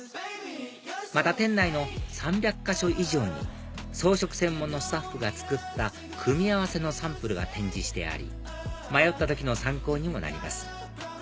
また店内の３００か所以上に装飾専門のスタッフが作った組み合わせのサンプルが展示してあり迷った時の参考にもなります